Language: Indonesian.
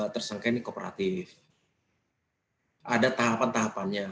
tersangka ini kooperatif ada tahapan tahapannya